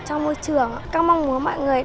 cho môi trường con mong muốn mọi người